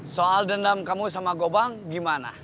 soal dendam kamu sama gobang gimana